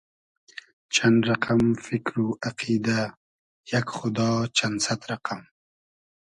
چئن رئقئم فیکر و اقیدۂ یئگ خودا چئن سئد رئقئم